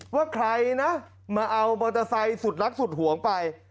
ว่าใครนะมาเอามอเตอร์ไซค์สุดรักสุดห่วงไป